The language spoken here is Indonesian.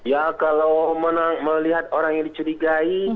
ya kalau melihat orang yang dicurigai